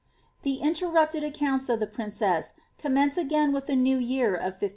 The interrupted accounts of the princess commence again with the new year of 1540.